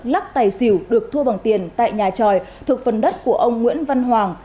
lắc tài xỉu được thua bằng tiền tại nhà tròi thuộc phần đất của ông nguyễn văn hoàng